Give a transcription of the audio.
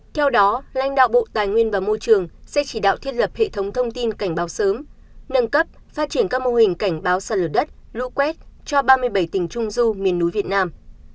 theo đó lãnh đạo bộ tài nguyên và môi trường sẽ chỉ đạo thiết lập hệ thống thông tin cảnh báo sớm nâng cấp phát triển các mô hình cảnh báo sạt lở đất lũ quét cho ba mươi bảy tỉnh trung du miền núi việt nam